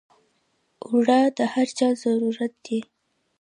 اوړه د هر چا ضرورت دی